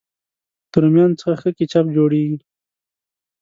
د رومیانو څخه ښه کېچپ جوړېږي.